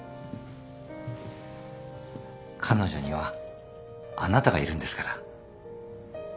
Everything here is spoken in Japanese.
彼女にはあなたがいるんですから。